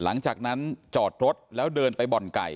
หลังจากนั้นจอดรถแล้วเดินไปบ่อนไก่